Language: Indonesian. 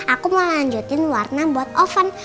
aku mau lanjutin warna buat oven